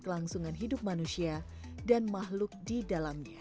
kelangsungan hidup manusia dan makhluk di dalamnya